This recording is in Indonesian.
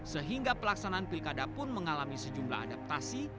sehingga pelaksanaan pilkada pun mengalami sejumlah adaptasi